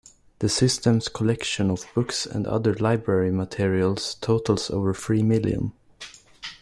The system's collection of books and other library materials totals over three million.